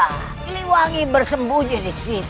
siliwangi bersembunyi disitu